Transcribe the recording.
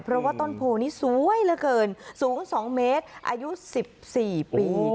เพราะว่าต้นโพนี้สวยเหลือเกินสูง๒เมตรอายุ๑๔ปี